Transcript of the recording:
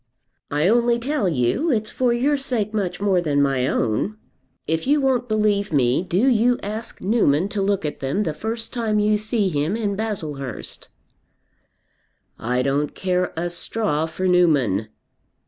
"I only tell you; it's for your sake much more than my own. If you won't believe me, do you ask Newman to look at them the first time you see him in Baslehurst." "I don't care a straw for Newman."